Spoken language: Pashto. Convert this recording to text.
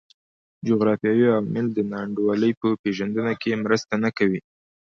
جغرافیوي عوامل د نا انډولۍ په پېژندنه کې مرسته نه کوي.